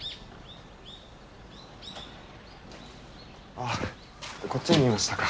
ああこっちにいましたか。